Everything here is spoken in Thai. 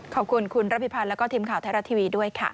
ขอบคุณคุณระพิพันธ์แล้วก็ทีมข่าวไทยรัฐทีวีด้วยค่ะ